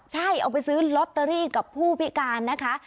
ใช่เอาไปซื้อลอตเตอรี่กับผู้พิการนะคะ